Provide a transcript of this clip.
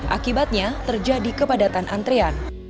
akibatnya terjadi kepadatan antrian